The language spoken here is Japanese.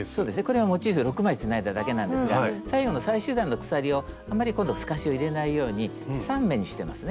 これはモチーフ６枚つないだだけなんですが最後の最終段の鎖をあんまり今度透かしを入れないように３目にしてますね。